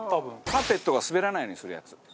カーペットが滑らないようにするやつ。